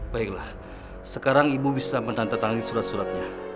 baiklah sekarang ibu bisa menantang tangan di surat suratnya